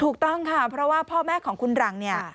ถูกต้องค่ะเพราะว่าพ่อแม่ของคุณหลังเนี่ย